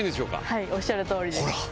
はいおっしゃるとおりですほら！